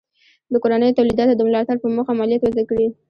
د کورنیو تولیداتو د ملاتړ په موخه مالیات وضع کړي.